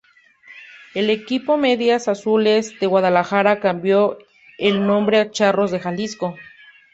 El equipo Medias Azules de Guadalajara cambio de nombre a Charros de Jalisco.